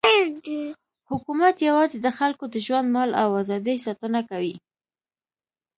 حکومت یوازې د خلکو د ژوند، مال او ازادۍ ساتنه کوي.